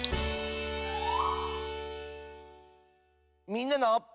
「みんなの」。